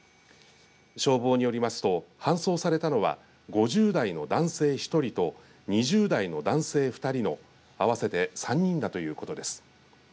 消防によりますと搬送されたのは５０代の男性１人と２０代の男性２人の合わせて３人だということです。